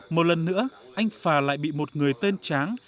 một lần nữa anh phà lại bị một người tên tráng